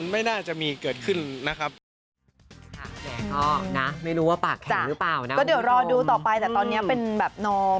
ไม่น่าจะมีเกิดขึ้นนะครับ